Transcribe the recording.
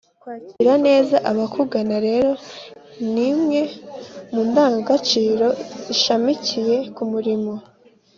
kwakira neza abakugana rero ni imwe mu ndangagaciro zishamikiye ku murimo